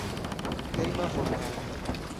Hejma vortaro.